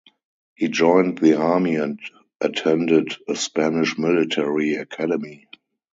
He joined the army and attended a Spanish military academy.